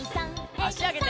あしあげて。